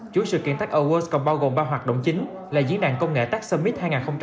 chúi sự kiện tech awards còn bao gồm ba hoạt động chính là diễn đàn công nghệ tech summit hai nghìn hai mươi ba